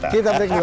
kita break dulu